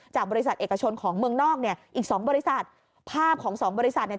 จากบริษัทเอกชนของเมืองนอกเนี่ยอีกสองบริษัทภาพของสองบริษัทเนี่ย